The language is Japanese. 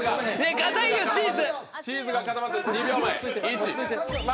かたいよ、チーズ。